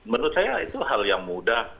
menurut saya itu hal yang mudah